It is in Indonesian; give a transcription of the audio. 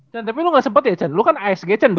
san tapi lu gak sempet ya san lu kan asg san